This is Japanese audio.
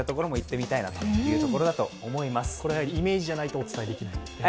これはイメージじゃないとお伝えできないんですね。